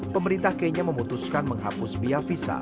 pemerintah kenya memutuskan menghapus biaya visa